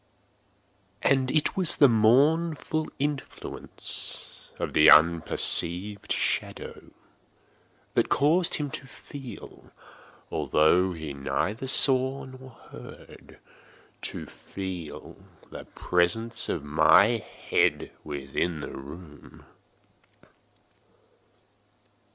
And it was the mournful influence of the unperceived shadow that caused him to feel—although he neither saw nor heard—to feel the presence of my head within the room.